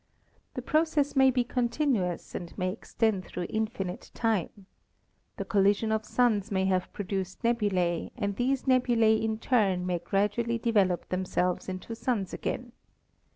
The process may be continuous and may extend through infinite time. The collision of suns may have produced nebulae and these nebulae in turn may grad ually develop themselves into suns again.